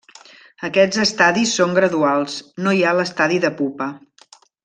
Aquests estadis són graduals; no hi ha l'estadi de pupa.